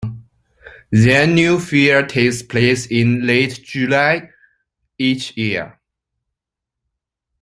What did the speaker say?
The Annual fair takes place in late July each year.